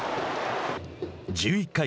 １１回。